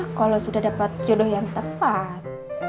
karena kalau sudah dapat jodoh yang tepat